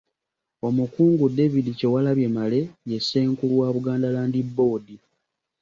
Omukungu David Kyewalabye Male ye Ssenkulu wa Buganda Land Board.